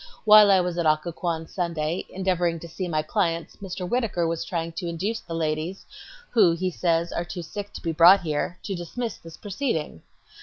While I was at Occoquan Sunday endeavoring to see my clients, Mr. Whittaker was trying to induce the ladies, who, he says, are too sick to be brought here, to dismiss this proceeding.